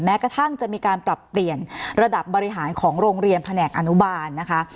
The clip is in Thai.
กระทั่งจะมีการปรับเปลี่ยนระดับบริหารของโรงเรียนแผนกอนุบาลนะคะ